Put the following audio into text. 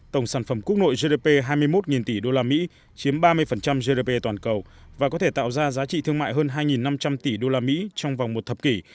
tổng sản phẩm quốc nội gdp hai mươi một tỷ usd chiếm ba mươi gdp toàn cầu và có thể tạo ra giá trị thương mại hơn hai năm trăm linh tỷ usd trong vòng một thập kỷ